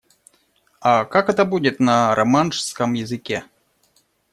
А как это будет на романшском языке?